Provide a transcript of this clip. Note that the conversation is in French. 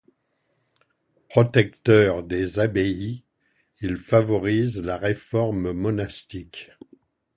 Protecteur des abbayes, il favorise la réforme monastique.